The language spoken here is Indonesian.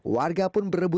warga pun berebut